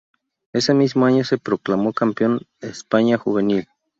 Ese mismo año se proclamó campeón de España juvenil.